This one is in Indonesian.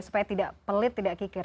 supaya tidak pelit tidak kikir